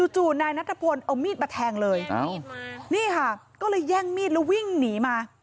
จู่นายนัทพลเอามีดมาแทงเลยนี่ค่ะก็เลยแย่งมีดแล้ววิ่งหนีมา